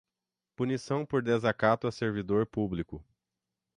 Punição por desacato a servidor público